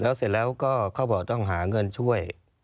แล้วเสร็จแล้วก็เขาบอกต้องหาเงินช่วย